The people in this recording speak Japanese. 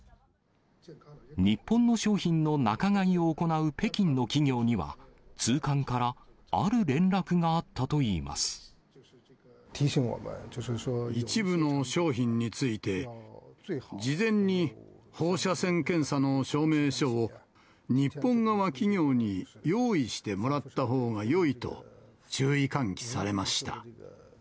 日本の商品の仲買を行う北京の企業には、通関から、ある連絡があ一部の商品について、事前に放射線検査の証明書を日本側企業に用意してもらった方がよいと、注意喚起されました。